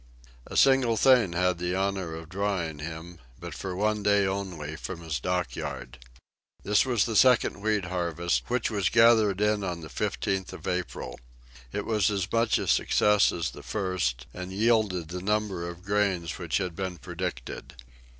A single thing had the honor of drawing him, but for one day only, from his dockyard. This was the second wheat harvest, which was gathered in on the 15th of April. It was as much a success as the first, and yielded the number of grains which had been predicted.